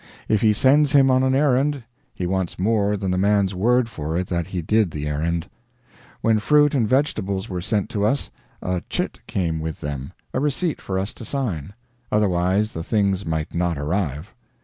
If he sends him on an errand, he wants more than the man's word for it that he did the errand. When fruit and vegetables were sent to us, a "chit" came with them a receipt for us to sign; otherwise the things might not arrive.